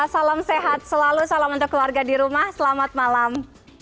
salam sehat selalu salam untuk keluarga di rumah selamat malam